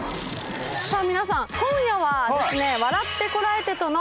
さぁ皆さん今夜はですね。